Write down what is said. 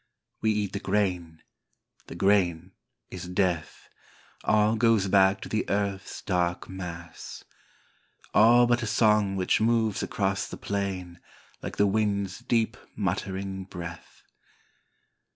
We eat the grain, the grain is death, all goes back to the earUi's dark mass, All but a song which moves across the plain like the wind's deep muttering breath.